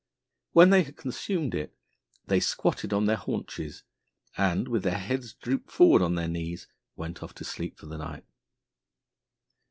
When they had consumed it they squatted on their haunches and, with their heads drooped forward on their knees, went off to sleep for the night.